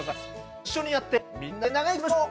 一緒にやってみんなで長生きしましょう！